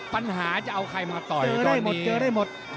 ปัญหาจะเอาใครมาต่อยตอนนี้